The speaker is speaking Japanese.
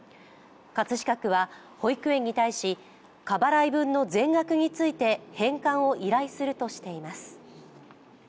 葛飾区は、保育園に対し過払い分の全額について返還を依頼するとしています。